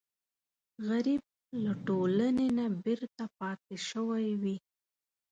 غریب له ټولنې نه بېرته پاتې شوی وي